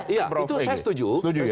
iya itu saya setuju